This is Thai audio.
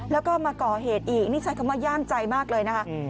แล้วก็มาก่อเหตุอีกนี่ใช้คำว่าย่ามใจมากเลยนะคะ